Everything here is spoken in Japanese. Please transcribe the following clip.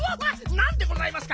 なんでございますか？